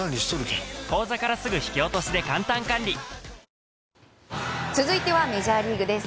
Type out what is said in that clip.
はじまる続いてはメジャーリーグです。